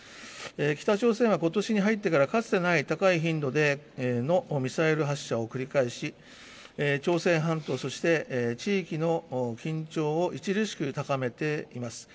北朝鮮はことしに入ってからかつてない高い頻度でのミサイル発射を繰り返し、朝鮮半島そして地域の緊張を著しく高めています。